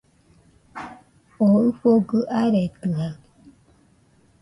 O ɨfogɨ aretɨaɨ